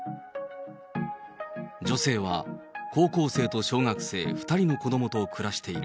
女性は高校生と小学生２人の子どもと暮らしている。